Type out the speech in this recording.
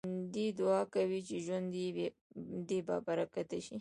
ژوندي دعا کوي چې ژوند يې بابرکته شي